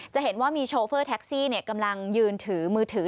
จะเห็นว่ามีโชเฟอร์แท็กซี่กำลังยืนถือมือถือ